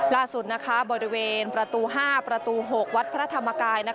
บริเวณประตู๕ประตู๖วัดพระธรรมกาย